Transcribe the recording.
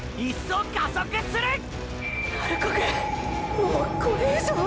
もうこれ以上は！！